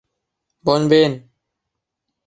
Bon vent!